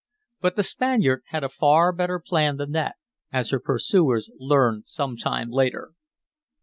But the Spaniard had a far better plan than that, as her pursuers learned some time later.